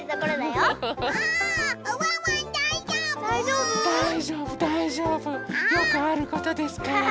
よくあることですから。